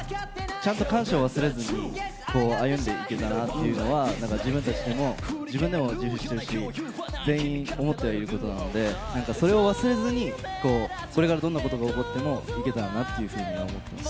ちゃんと感謝を忘れずに歩んでいけたらなって、自分たちにも、自分でも自負してるし、全員思ってはいることなので、それを忘れずにこれからどんな事が起こってもいけたらなって思っています。